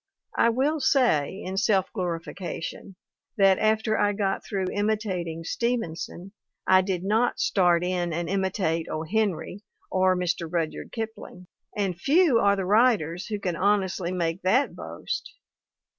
I will say, in self glori fication, that after I got through imitating Steven son, I did not start in and imitate O. Henry, or Mr. Rudyard Kipling; and few are the writers who can honestly make that boast